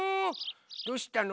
どうしたの？